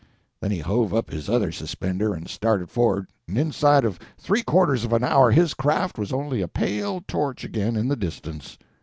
Then he hove up his other suspender and started for'ard, and inside of three quarters of an hour his craft was only a pale torch again in the distance.